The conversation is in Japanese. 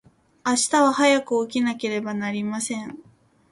明日は早く起きなければなりません。